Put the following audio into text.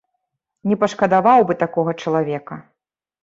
Не пашкадаваў бы такога чалавека.